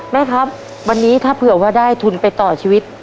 แม่ครับวันนี้ถ้าเผื่อว่าได้ทุนไปต่อชีวิต